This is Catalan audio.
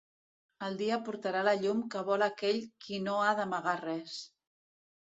El dia portarà la llum que vol aquell qui no ha d'amagar res.